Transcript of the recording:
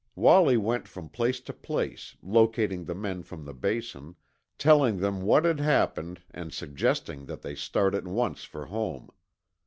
Wallie went from place to place, locating the men from the Basin, telling them what had happened and suggesting that they start at once for home.